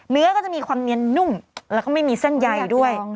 ก็จะมีความเนียนนุ่มแล้วก็ไม่มีเส้นใยด้วย